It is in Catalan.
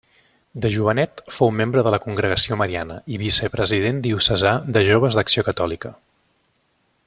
De jovenet fou membre de la Congregació Mariana i vicepresident diocesà de joves d'Acció Catòlica.